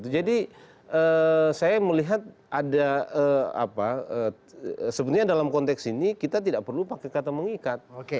jadi saya melihat ada apa sebenarnya dalam konteks ini kita tidak perlu pakai kata mengikat